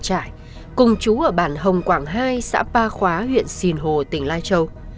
phan a trải cùng chú ở bản hồng quảng hai xã ba khóa huyện xìn hồ tỉnh lai châu